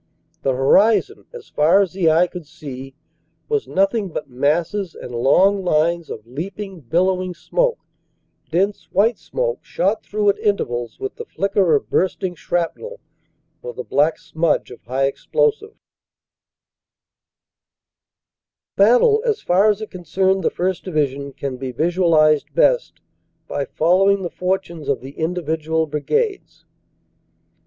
The horizon, as far as the eye could see, was nothing but masses and long lines of leaping, billowing smoke dense white smoke shot through at intervals with the flicker of bursting shrapnel, or the black smudge of high explosive. "The battle, as far as it concerned the 1st. Division, can be visualized best by following the fortunes of the individual brigades.